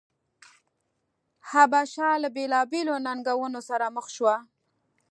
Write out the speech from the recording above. حبشه له بېلابېلو ننګونو سره مخ شوه.